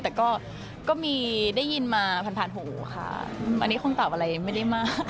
แต่ก็มีได้ยินมาผ่านผ่านหูค่ะอันนี้คงตอบอะไรไม่ได้มาก